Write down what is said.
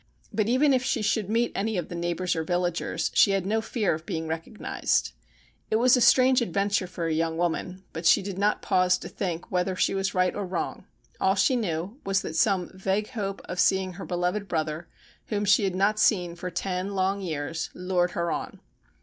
But even if she should meet any of the neighbours or villagers, she had no fear of being recognised. It was a strange adventure for a young woman, but she did not pause to think whether she was right or wrong. All she knew was that some vague hope of seeing her beloved brother, whom she had not seen for ten long years, lured her on.